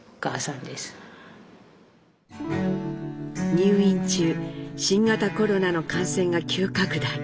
入院中新型コロナの感染が急拡大。